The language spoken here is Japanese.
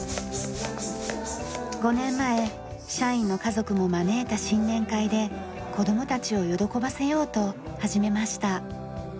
５年前社員の家族も招いた新年会で子供たちを喜ばせようと始めました。